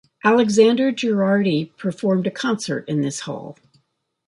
Alexander Girardi performed a concert in this hall.